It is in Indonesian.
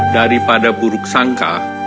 daripada buruk sangka